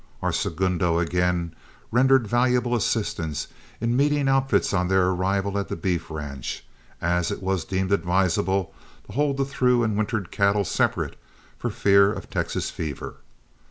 Our segundo again rendered valuable assistance in meeting outfits on their arrival at the beef ranch, as it was deemed advisable to hold the through and wintered cattle separate for fear of Texas fever.